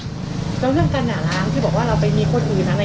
แล้วเรื่องการด่าล้างที่บอกว่าเราไปมีคนอื่นอะไร